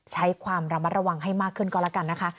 ใช้ความระมัดระวังให้มากขึ้นก็แล้วกันนะคะ